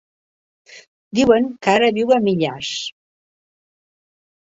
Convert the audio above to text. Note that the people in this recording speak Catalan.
Diuen que ara viu a Millars.